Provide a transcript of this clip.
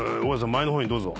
前の方にどうぞ。